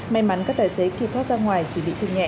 may mắn các tài xế kịp thoát ra ngoài chỉ bị thương nhẹ